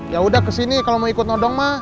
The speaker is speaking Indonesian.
yaudah kesini kalau mau ikut nodong ma